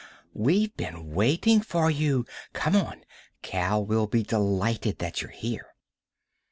"We've been waiting for you. Come on; Kal will be delighted that you're here."